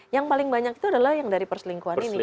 yang paling banyak itu adalah yang dari perselingkuhan ini